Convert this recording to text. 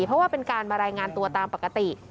เพราะว่าเป็นการมารายงานตัวตามปกติ